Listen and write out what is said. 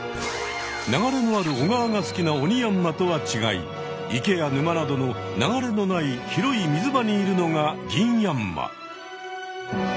流れのある小川が好きなオニヤンマとはちがい池や沼などの流れのない広い水場にいるのがギンヤンマ。